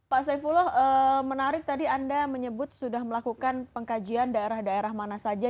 pak saifullah menarik tadi anda menyebut sudah melakukan pengkajian daerah daerah mana saja